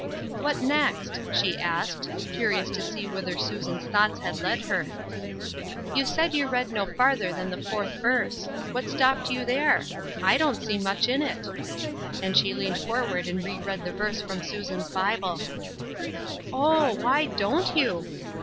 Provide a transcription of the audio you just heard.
" What next ?" she asked, curious to see whither Susan's thoughts had led her. " You said you read no farther than the fourth \erse. What stopped you there ? I dan't see much in it ;" and she leaned forward and re read the verse from Susan's open Bible. " Oh, why don't you